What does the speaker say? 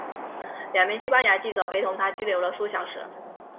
两名西班牙记者陪同她拘留了数小时。